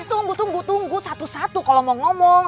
tunggu tunggu satu satu kalau mau ngomong